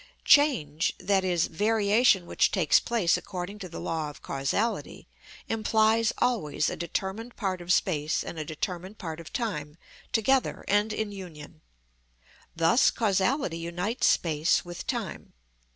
Change, i.e., variation which takes place according to the law of causality, implies always a determined part of space and a determined part of time together and in union. Thus causality unites space with time.